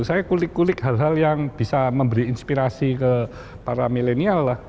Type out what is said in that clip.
saya kulik kulik hal hal yang bisa memberi inspirasi ke para milenial lah